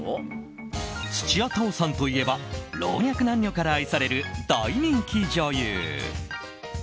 土屋太鳳さんといえば老若男女から愛される大人気女優。